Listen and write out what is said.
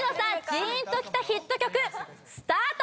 ジーンときたヒット曲スタート！